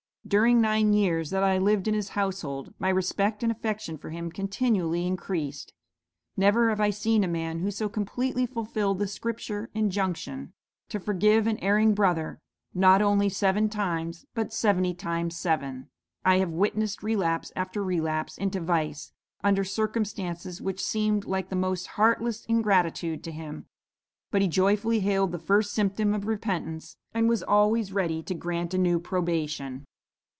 "'During nine years that I lived in his household, my respect and affection for him continually increased. Never have I seen a man who so completely fulfilled the Scripture injunction, to forgive an erring brother, 'not only seven times, but seventy times seven.' I have witnessed relapse after relapse into vice, under circumstances which seemed like the most heartless ingratitude to him; but he joyfully hailed the first symptom of repentance, and was always ready to grant a new probation.